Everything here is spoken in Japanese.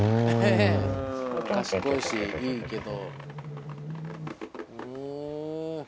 賢いしいいけど。